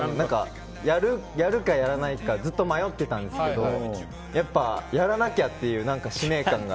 やるかやらないかずっと迷ってたんですけどやっぱりやらなきゃっていう使命感が。